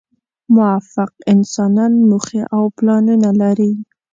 موفق انسانان موخې او پلانونه لري.